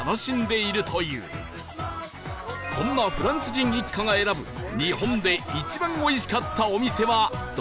そんなフランス人一家が選ぶ日本で一番おいしかったお店はどこなのか？